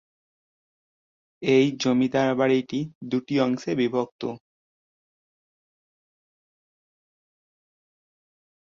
এই জমিদার বাড়িটি দুটি অংশে বিভক্ত।